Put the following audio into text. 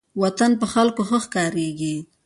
وطن په خلکو ښه ښکاریږي.